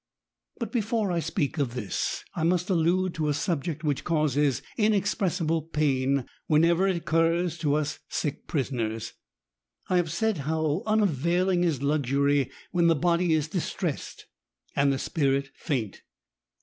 But, before I speak of this, I must allude to a subject which causes inexpressible pain whenever it occurs to us sick prisoners. I have said how unavailing is luxury when the body is distressed and the spirit faint.